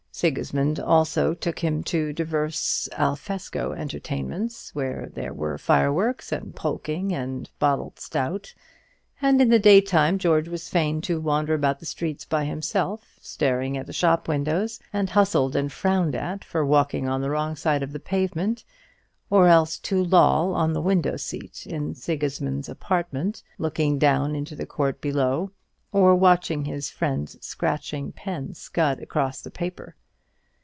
Sigismund also took him to divers al fresco entertainments, where there were fireworks, and "polking," and bottled stout; and in the daytime George was fain to wander about the streets by himself, staring at the shop windows, and hustled and frowned at for walking on the wrong side of the pavement; or else to loll on the window seat in Sigismund's apartment, looking down into the court below, or watching his friend's scratching pen scud across the paper.